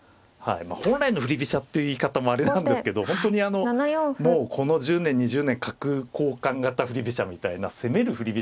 本来の振り飛車っていう言い方もあれなんですけど本当にもうこの１０年２０年角交換型振り飛車みたいな攻める振り